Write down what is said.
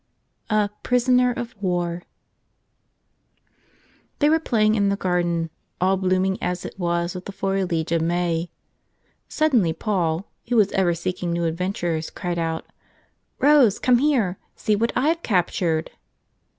37 a kvpri0onec of KHar" HEY were playing in the garden — all bloom¬ ing as it was with the foliage of May. Sud¬ denly Paul, who was ever seeking new adven¬ tures, cried out: "Rose, come here! See what I've captured!"